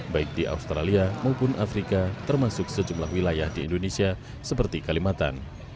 baik di australia maupun afrika termasuk sejumlah wilayah di indonesia seperti kalimantan